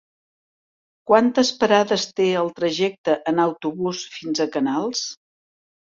Quantes parades té el trajecte en autobús fins a Canals?